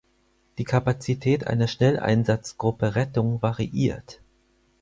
Die Kapazität einer Schnelleinsatzgruppe Rettung variiert.